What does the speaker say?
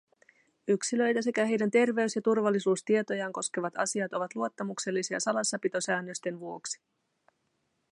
Yksilöitä sekä heidän terveys- ja turvallisuustietojaan koskevat asiat ovat luottamuksellisia salassapitosäännösten vuoksi.